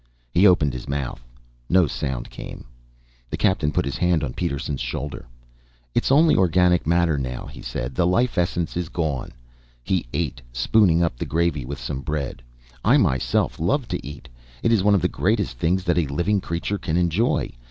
He opened his mouth. No sound came. The Captain put his hand on Peterson's shoulder. "It is only organic matter, now," he said. "The life essence is gone." He ate, spooning up the gravy with some bread. "I, myself, love to eat. It is one of the greatest things that a living creature can enjoy.